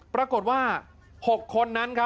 ปรากฏว่า๖คนนั้น